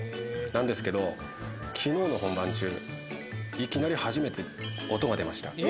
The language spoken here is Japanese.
なんですけど、昨日の本番中、いきなり初めて、音が出ました。